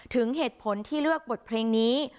ถึงเหตุผลที่เลือกบทเพลงนี้